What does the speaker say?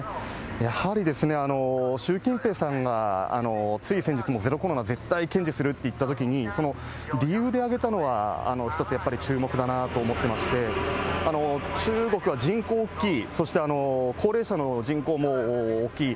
やはりですね、習近平さんがつい先日もゼロコロナ絶対堅持するって言ったときに、その理由で挙げたのは、１つやっぱり注目だなと思ってまして、中国は人口大きい、そして高齢者の人口も大きい。